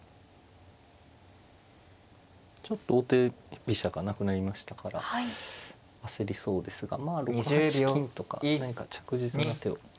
ちょっと王手飛車がなくなりましたから焦りそうですがまあ６八金とか何か着実な手を。